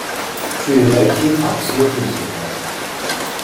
据雷提卡斯进行的。